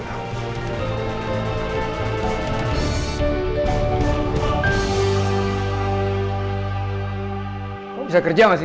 kamu bisa kerja gak sih